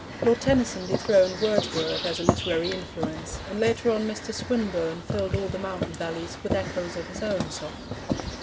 Lord Tennyson dethroned Wordsworth as a literary influence, and later on Mr. Swinburne filled all the mountain valleys with echoes of his own song.